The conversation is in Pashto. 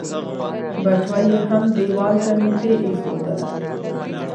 بټوه يې هم ديوال ته نږدې ايښودله.